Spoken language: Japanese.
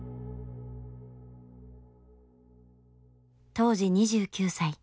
当時２９歳。